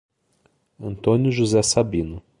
Antônio José Sabino